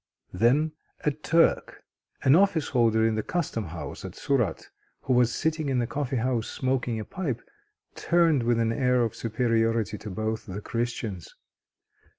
Then a Turk, an office holder in the custom house at Surat, who was sitting in the coffee house smoking a pipe, turned with an air of superiority to both the Christians.